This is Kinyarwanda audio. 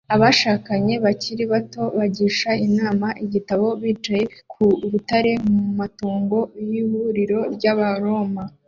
Abashakanye bakiri bato bagisha inama igitabo bicaye ku rutare mu matongo y’ihuriro ry’Abaroma